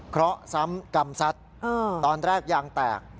เพราะซ้ำกำซัดตอนแรกยางแตก